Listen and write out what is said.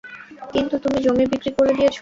কিন্তু তুমি জমি বিক্রি করে দিয়েছ।